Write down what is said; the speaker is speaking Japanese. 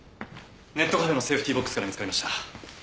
ネットカフェのセーフティーボックスから見つかりました。